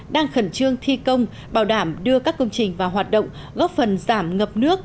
đang khẩn trương thi công bảo đảm đưa các công trình vào hoạt động góp phần giảm ngập nước